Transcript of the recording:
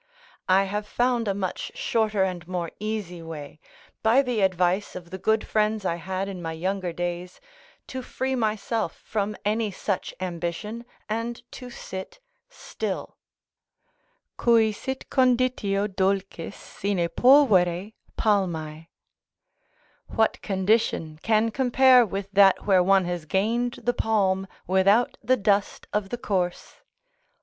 I have found a much shorter and more easy way, by the advice of the good friends I had in my younger days, to free myself from any such ambition, and to sit still: "Cui sit conditio dulcis sine pulvere palmae:" ["What condition can compare with that where one has gained the palm without the dust of the course."